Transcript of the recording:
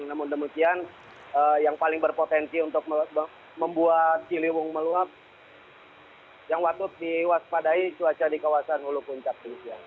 namun demikian yang paling berpotensi untuk membuat ciliwung meluap yang patut diwaspadai cuaca di kawasan hulu puncak